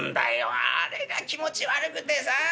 あれが気持ち悪くてさ。